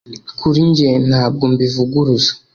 Kuri njye ntabwo mbivuguruza